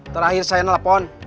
terakhir saya nelfon